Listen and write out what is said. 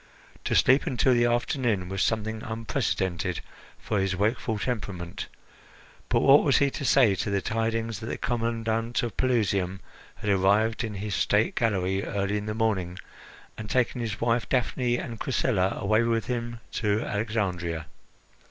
To sleep until the afternoon was something unprecedented for his wakeful temperament; but what was he to say to the tidings that the commandant of Pelusium had arrived in his state galley early in the morning and taken his wife, Daphne, and Chrysilla away with him to Alexandria?